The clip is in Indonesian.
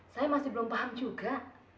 saya masih belum paham juga